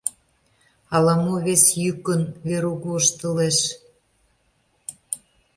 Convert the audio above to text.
Ала-мо вес йӱкын Верук воштылеш.